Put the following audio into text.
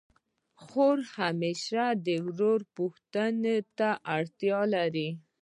خور همېشه د ورور پوښتني ته اړتیا لري.